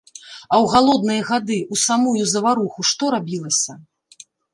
А ў галодныя гады, у самую заваруху што рабілася?